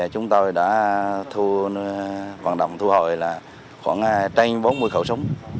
chúng tôi đã vận động thu hồi khoảng bốn mươi khẩu súng